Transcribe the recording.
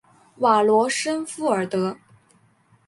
瓦罗什弗尔德。